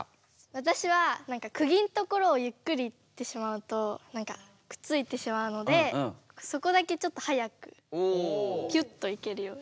わたしはクギんところをゆっくりいってしまうとくっついてしまうのでそこだけちょっとはやくピュッといけるように。